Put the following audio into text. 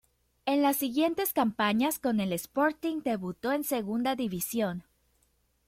En las siguientes campañas con el Sporting debutó en Segunda División.